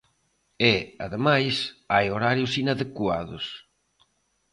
E, ademais, hai horarios inadecuados.